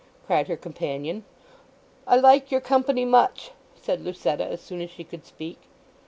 cried her companion. "I like your company much!" said Lucetta, as soon as she could speak.